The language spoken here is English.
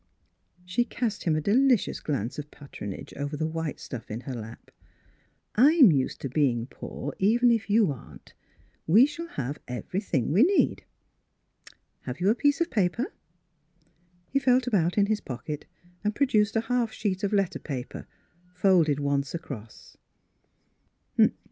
" She cast him a delicious glance of pat ronage over the white stuff in her lap. " I'm used to being poor, even if you aren't. We shall have everything we need. Have you a piece of paper? " He felt about in his pocket and pro duced a half sheet of letter paper, folded once across.